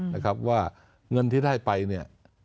นะครับว่าเงินที่ได้ไปเนี่ย